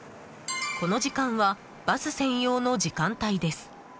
この時間はバス専用の時間帯です。